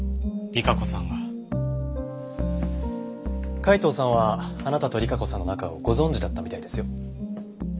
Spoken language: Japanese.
海東さんはあなたと莉華子さんの仲をご存じだったみたいですよ。